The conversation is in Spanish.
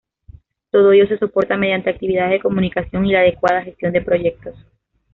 Todo ello se soporta mediante actividades de comunicación y la adecuada gestión de proyectos.